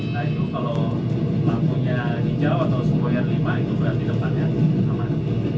nah itu kalau lampunya hijau atau sebuah yang lima itu berarti depannya aman